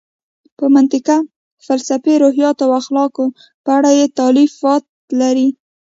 د منطق، فلسفې، روحیاتو او اخلاقو په اړه یې تالیفات لري.